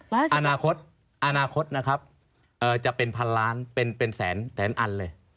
๑๕๐ล้านอาณาคตนะครับจะเป็น๑๐๐๐ล้านเป็นแสนแสนอันเลย